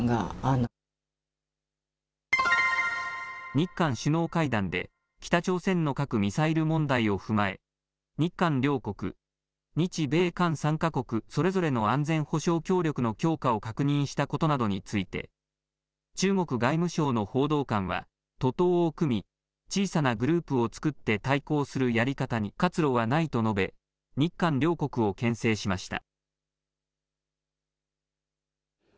日韓首脳会談で、北朝鮮の核・ミサイル問題を踏まえ、日韓両国、日米韓３か国、それぞれの安全保障協力の強化を確認したことなどについて、中国外務省の報道官は、徒党を組み、小さなグループを作って対抗するやり方に活路はないと述べ、日韓両国をけん制しました。